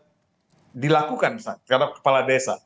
bisa dilakukan terhadap kepala desa